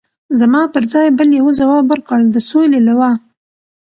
زما پر ځای بل یوه ځواب ورکړ: د سولې لوا.